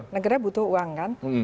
negeranya butuh uang kan